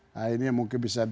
nah ini mungkin bisa